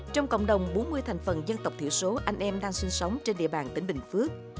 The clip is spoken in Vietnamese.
trong cộng đồng bốn mươi thành phần dân tộc thiểu số anh em đang sinh sống trên địa bàn tỉnh bình phước